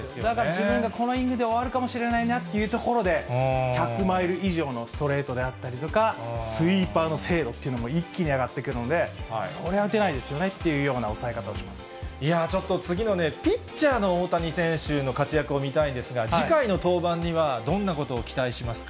自分がこのイニングで終わるかもしれないなというところで、１００マイル以上のストレートであったりとか、スイーパーの精度というものも一気に上がっていくので、それは打てないですよっていやー、ちょっと次のね、大谷選手の活躍を見たいんですが、次回の登板には、どんなことを期待しますか。